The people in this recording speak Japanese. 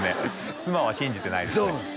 妻は信じてないですね